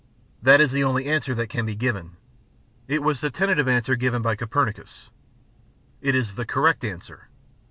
That is the only answer that can be given. It was the tentative answer given by Copernicus. It is the correct answer.